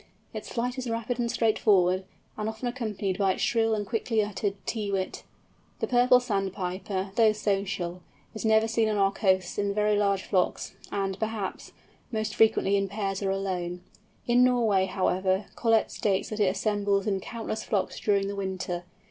Its flight is rapid and straightforward, and often accompanied by its shrill and quickly uttered tee wit. The Purple Sandpiper, though social, is never seen on our coasts in very large flocks, and, perhaps, most frequently in pairs or alone. In Norway, however, Collett states that it assembles in countless flocks during the winter.